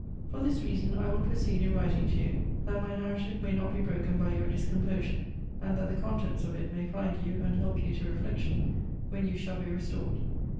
For this reason I will proceed in writing to you, that my narrative may not be broken by your discomposure; and that the contents of it may find you, and help you to reflection, when you shall be restored.